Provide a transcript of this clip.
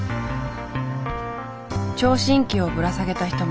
聴診器をぶら下げた人も。